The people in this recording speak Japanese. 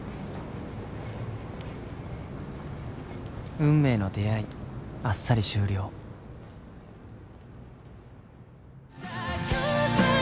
運命の出会いあっさり終了さぁ、